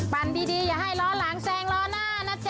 ดีอย่าให้ล้อหลังแซงล้อหน้านะจ๊